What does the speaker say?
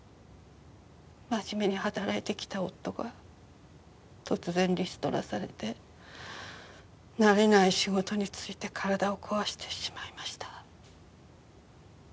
真面目に働いてきた夫が突然リストラされて慣れない仕事に就いて体を壊してしまいました。